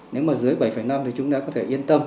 nếu mà dưới bảy năm thì chúng ta có thể yên tâm